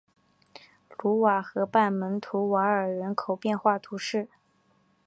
卢瓦河畔蒙图瓦尔人口变化图示